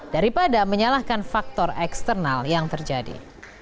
daripada menyalahkan faktor eksternal yang terjadi